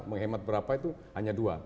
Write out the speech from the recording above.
menghemat berapa itu hanya dua